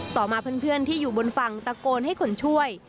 ต่อมาเพื่อนที่อยู่บนฝั่งตะโกนให้คนช่วย